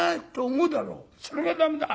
それが駄目だ。